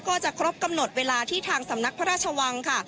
ก็จะครบกำหนดเวลาที่ทางสำนักพระราชวังค่ะ